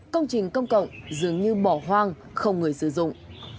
công trình công cộng dường như bỏ hoang không người sử dụng